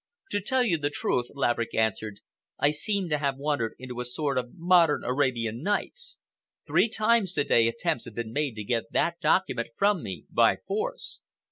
"To tell you the truth," Laverick answered, "I seem to have wandered into a sort of modern Arabian Nights. Three times to day attempts have been made to get that document from me by force.